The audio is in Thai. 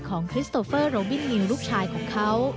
คริสโตเฟอร์โรบินิวลูกชายของเขา